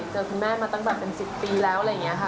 เจอคุณแม่มาตั้งแบบเป็น๑๐ปีแล้วอะไรอย่างนี้ค่ะ